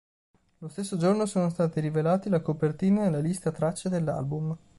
Lo stesso giorno sono stati rivelati la copertina e la lista tracce dell'album.